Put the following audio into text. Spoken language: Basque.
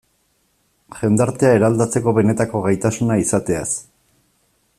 Jendartea eraldatzeko benetako gaitasuna izateaz.